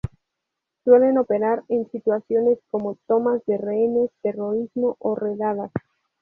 Suelen operar en situaciones como tomas de rehenes, terrorismo o redadas.